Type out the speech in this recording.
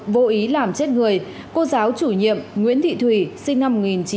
vô ý làm chết người cô giáo chủ nhiệm nguyễn thị thủy sinh năm một nghìn chín trăm tám mươi